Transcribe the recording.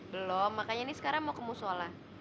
belum makanya ini sekarang mau kemusola